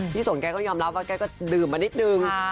สนแกก็ยอมรับว่าแกก็ดื่มมานิดนึง